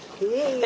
え？